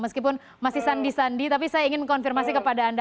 meskipun masih sandi sandi tapi saya ingin konfirmasi kepada anda